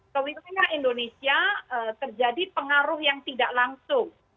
kewilayaan indonesia terjadi pengaruh yang tidak langsung